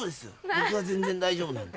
僕は全然大丈夫なんで。